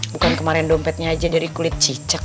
bukan kemarin dompetnya aja dari kulit cicak